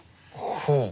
ほう。